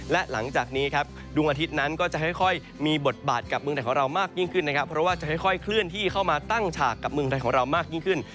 และหลังจากนี้ดวงอาทิตย์นั้นก็จะค่อยมีบทบาทกับเมืองไทยของเรามากยิ่งขึ้น